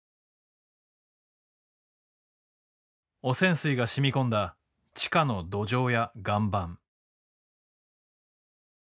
汚染水が染み込んだ地下の土壌や岩盤。